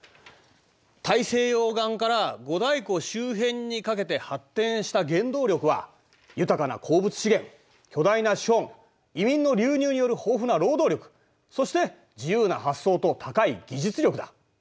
大西洋岸から五大湖周辺にかけて発展した原動力は豊かな鉱物資源巨大な資本移民の流入による豊富な労働力そして自由な発想と高い技術力だ。